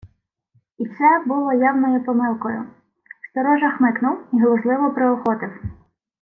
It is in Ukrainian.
Й се було явною помилкою. Сторожа хмикнув і глузливо приохотив: